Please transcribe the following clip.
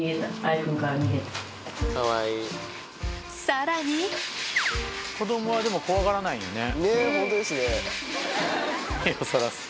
さらに子供はでも怖がらないんやね。